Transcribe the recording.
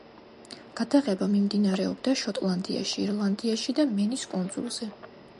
გადაღება მიმდინარეობდა შოტლანდიაში, ირლანდიაში და მენის კუნძულზე.